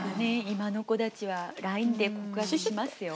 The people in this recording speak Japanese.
今の子たちはＬＩＮＥで告白しますよ。